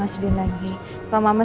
bisa berkata ke sama mama